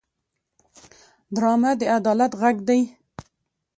ډرامه د عدالت غږ دی